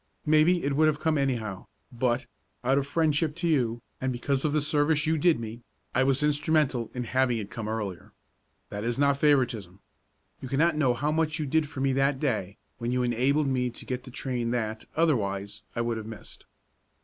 Maybe it would have come anyhow, but, out of friendship to you, and because of the service you did me, I was instrumental in having it come earlier. That is not favoritism. You can't know how much you did for me that day when you enabled me to get the train that, otherwise, I would have missed.